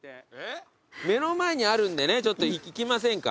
目の前にあるんでねちょっと行きませんか？